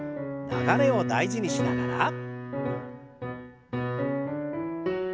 流れを大事にしながら。